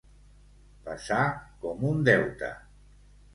Pesar com un deute.